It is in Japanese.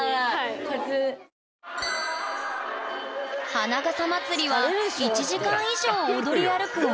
花笠まつりは１時間以上踊り歩くおまつり。